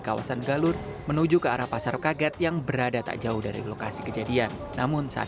kawasan galur menuju ke arah pasar kaget yang berada tak jauh dari lokasi kejadian namun saat